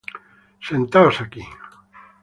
Sentaos aquí.